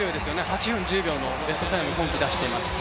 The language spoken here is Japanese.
８分１０秒のベストタイムを今季は出しています。